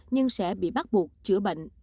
nhưng sẽ bị bắt buộc chữa bệnh